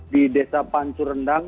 di desa pancu rendang